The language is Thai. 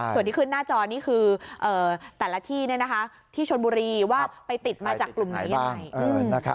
ส่วนที่ขึ้นหน้าจอนี่คือแต่ละที่ที่ชนบุรีว่าไปติดมาจากกลุ่มไหนยังไง